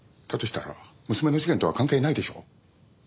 したら娘の事件とは関係ないでしょう。